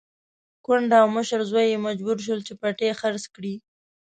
کونډه او مشر زوی يې مجبور شول چې پټی خرڅ کړي.